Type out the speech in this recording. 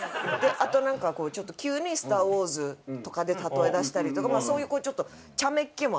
あとなんかちょっと急に『スター・ウォーズ』とかで例えだしたりとかそういうちゃめっ気もある。